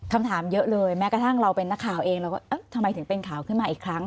คำถามเยอะเลยแม้กระทั่งเราเป็นนักข่าวเองเราก็เอ๊ะทำไมถึงเป็นข่าวขึ้นมาอีกครั้ง